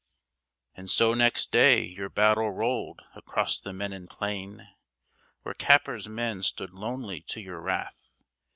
_" And so next day your battle rolled across the Menin Plain, Where Capper's men stood lonely to your wrath.